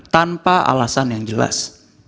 tanpa alasan yang jelas